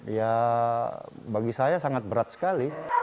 ya bagi saya sangat berat sekali